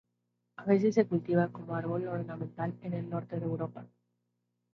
A veces se cultiva como árbol ornamental en el norte de Europa.